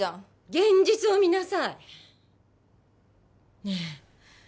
現実を見なさいねえ